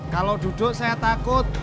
kalau duduk saya takut